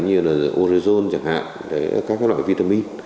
như là orezon chẳng hạn các loại vitamin